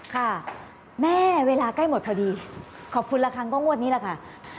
ค่ะแม่เวลาใกล้หมดพอดีขอบคุณละครั้งก็งวดนี้แหละค่ะ